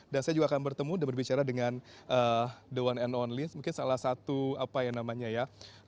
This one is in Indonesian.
dan saya juga akan bertemu dan berbicara dengan the one and only mungkin salah satu apa ya namanya ya